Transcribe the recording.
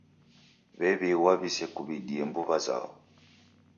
W'ew'ighwa w'isekuw'idie mbuw'a zao.